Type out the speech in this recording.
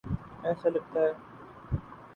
ایسا لگتا ہے۔